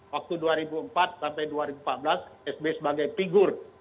waktu dua ribu empat sampai dua ribu empat belas sby sebagai figur